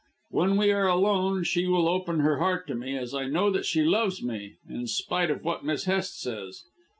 When we are alone she will open her heart to me, as I know that she loves me, in spite of what Miss Hest says.